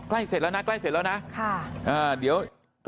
ใกล้เสร็จแล้วนะใกล้เสร็จแล้วนะค่ะอ่าเดี๋ยว